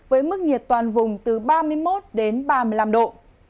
với mức nhiệt toàn vùng từ ba mươi một đến ba mươi năm độ